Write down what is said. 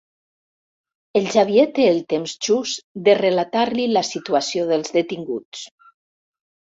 El Xavier té el temps just de relatar-li la situació dels detinguts.